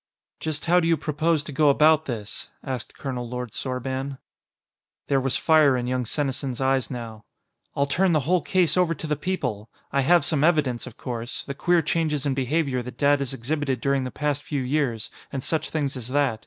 "Just how do you propose to go about this?" asked Colonel Lord Sorban. There was fire in young Senesin's eyes now. "I'll turn the whole case over to the people! I have some evidence, of course; the queer changes in behavior that Dad has exhibited during the past few years, and such things as that.